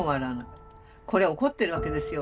これは怒ってるわけですよ